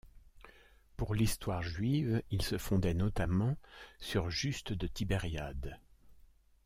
Pour l'histoire juive, il se fondait notamment sur Juste de Tibériade.